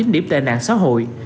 chín điểm tệ nạn xã hội